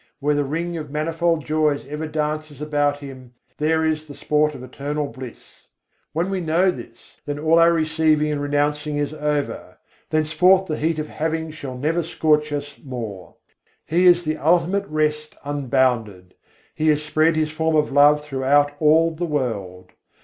Where the ring of manifold joys ever dances about Him, there is the sport of Eternal Bliss. When we know this, then all our receiving and renouncing is over; Thenceforth the heat of having shall never scorch us more. He is the Ultimate Rest unbounded: He has spread His form of love throughout all the world.